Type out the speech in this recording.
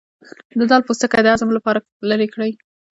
د دال پوستکی د هضم لپاره لرې کړئ